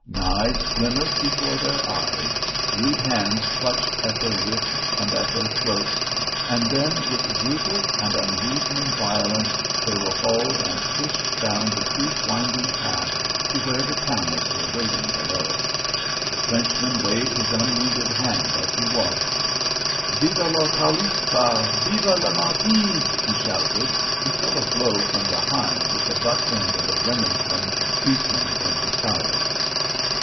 Knives glimmered before their eyes, rude hands clutched at their wrists and at their throats, and then, with brutal and unreasoning violence, they were hauled and pushed down the steep, winding path to where the camels were waiting below. The Frenchman waved his unwounded hand as he walked. "Vive le Khalifa! Vive le Madhi!" he shouted, until a blow from behind with the butt end of a Remington beat him into silence.